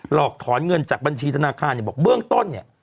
อกถอนเงินจากบัญชีธนาคารเนี่ยบอกเบื้องต้นเนี่ย